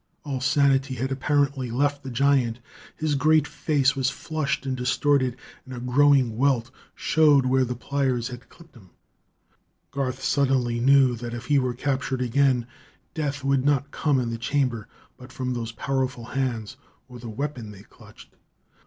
All sanity had apparently left the giant. His great face was flushed and distorted, and a growing welt showed where the pliers had clipped him. Garth suddenly knew that if he were captured again, death would not come in the chamber, but from those powerful hands, or the weapon they clutched.